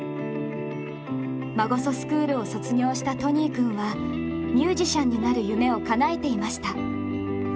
マゴソスクールを卒業したトニー君はミュージシャンになる夢をかなえていました。